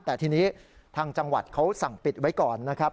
แต่ทีนี้ทางจังหวัดเขาสั่งปิดไว้ก่อนนะครับ